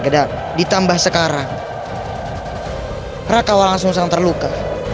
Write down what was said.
gedap ditambah sekarang raka walang sungguh terluka